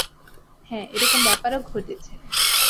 হ্যাঁ, এ-রকম ব্যাপারও ঘটেছে।